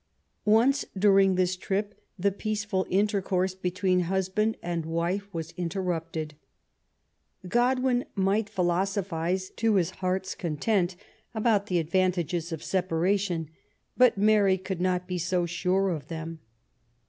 Once during this trip the peaceful intercourse be tween husband and wife was interrupted. Godwin might philosophize to his heart's content about the advantages of separation, but Mary could not be so sure of them.